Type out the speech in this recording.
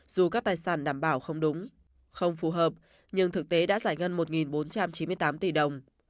dù các tài sản đảm bảo không đúng không phù hợp nhưng thực tế đã giải ngân một bốn trăm chín mươi tám tỷ đồng